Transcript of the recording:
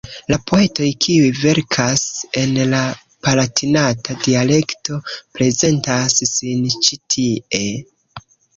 La poetoj, kiuj verkas en la palatinata dialekto prezentas sin ĉi tie.